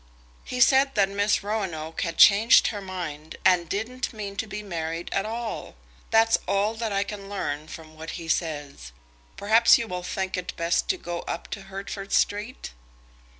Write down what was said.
"He said that Miss Roanoke had changed her mind, and didn't mean to be married at all. That's all that I can learn from what he says. Perhaps you will think it best to go up to Hertford Street?"